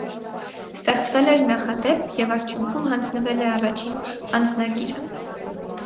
Ստեղծվել էր նախադեպ, և արդյունքում հանձնվել է առաջին անձնագիրը։